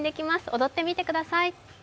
踊ってみてください。